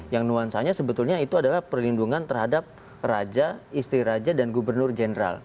yang nuansanya sebetulnya itu adalah perlindungan terhadap raja istri raja dan gubernur jenderal